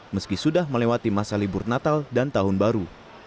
meski sudah melewati masa libur natal dan tahun baru